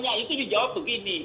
nah itu dijawab begini